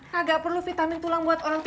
tidak perlu vitamin tulang buat orang tua